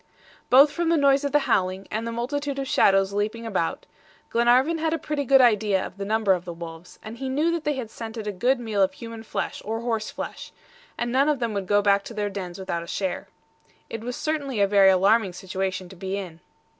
Both from the noise of the howling and the multitude of shadows leaping about, Glenarvan had a pretty good idea of the number of the wolves, and he knew they had scented a good meal of human flesh or horse flesh, and none of them would go back to their dens without a share. It was certainly a very alarming situation to be in.